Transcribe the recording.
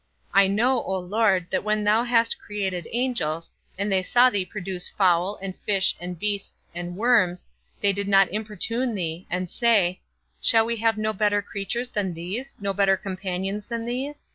I know, O Lord, that when thou hast created angels, and they saw thee produce fowl, and fish, and beasts, and worms, they did not importune thee, and say, Shall we have no better creatures than these, no better companions than these?